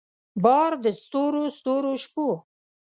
بار د ستورو ستورو شپو